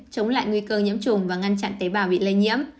chống lại nguy cơ nhiễm trùng và ngăn chặn tế bào bị lây nhiễm